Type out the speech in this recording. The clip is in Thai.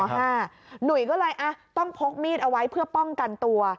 หนุ่ยก็เลยต้องพกมีดเอาไว้เพื่อป้องกันตัว